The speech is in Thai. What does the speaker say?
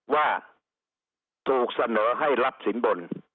ว่าถูกเสนอให้รับสินบน